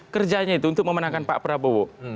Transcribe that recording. kerjanya itu untuk memenangkan pak prabowo